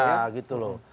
beda beda gitu loh